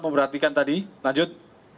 memperhatikan tadi lanjut